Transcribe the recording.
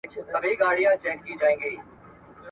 الله تعالی د دوی د اصلاح توفيق ورکوي.